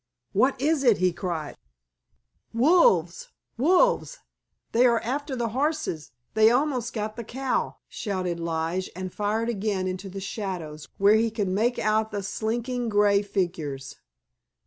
"What is it?" he cried. "Wolves—wolves! They are after the horses—they almost got the cow!" shouted Lige, and fired again into the shadows, where he could make out the slinking grey figures.